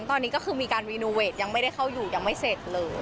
ตอนนี้ก็คือมีการรีโนเวทยังไม่ได้เข้าอยู่ยังไม่เสร็จเลย